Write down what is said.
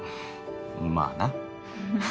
まあな。